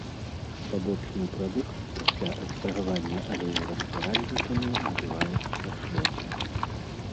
Пабочны прадукт пасля экстрагавання алею растваральнікамі называецца шротам.